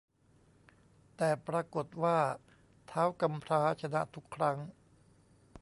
แต่ปรากฏว่าท้าวกำพร้าชนะทุกครั้ง